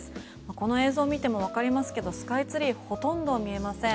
この映像を見てもわかりますがスカイツリーほとんど見えません。